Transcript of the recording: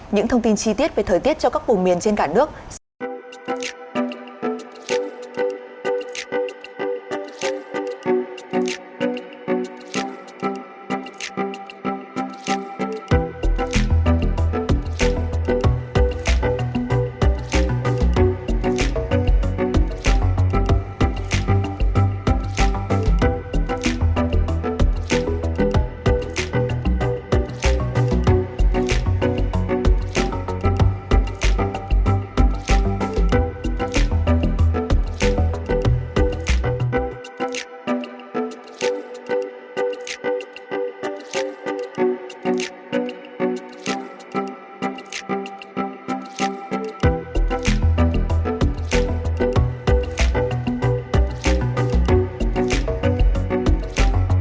những thông tin chi tiết về thời tiết cho các vùng miền trên cả nước sẽ được tham gia vào ngày ba mươi tháng bốn